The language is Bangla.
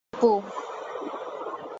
টিং, পু।